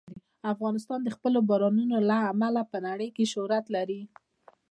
افغانستان د خپلو بارانونو له امله په نړۍ کې شهرت لري.